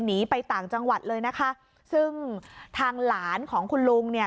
หนีไปต่างจังหวัดเลยนะคะซึ่งทางหลานของคุณลุงเนี่ย